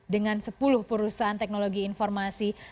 dengan sepuluh perusahaan teknologi informasi